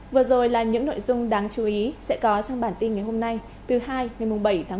vừa rồi là những nội dung đáng chú ý sẽ có trong bản tin ngày hôm nay từ hai ngày bảy tháng một mươi một